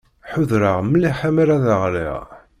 Ḥudreɣ mliḥ amar ad ɣliɣ.